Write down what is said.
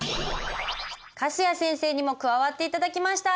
粕谷先生にも加わって頂きました。